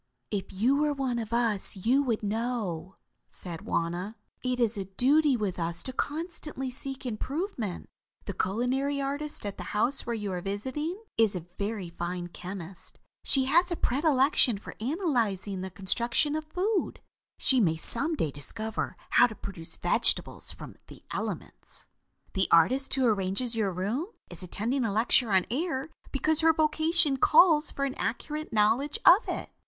"If you were one of us you would know," said Wauna. "It is a duty with us to constantly seek improvement. The culinary artist at the house where you are visiting, is a very fine chemist. She has a predilection for analyzing the construction of food. She may some day discover how to produce vegetables from the elements. "The artist who arranges your room is attending a lecture on air because her vocation calls for an accurate knowledge of it.